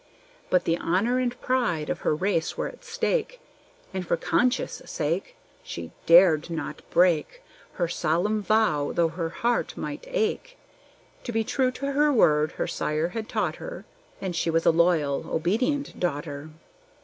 But the honor and pride of her race were at stake; And for conscience' sake She dared not break Her solemn vow, though her heart might ache. To be true to her word, her sire had taught her, And she was a loyal, obedient daughter.